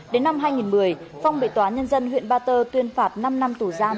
đến năm hai nghìn một mươi phong bị tòa nhân dân huyện ba tơ tuyên phạt năm năm tù giam